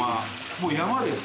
もう、山です！